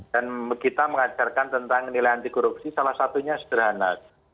dan kita mengajarkan tentang nilai anti korupsi salah satunya sederhana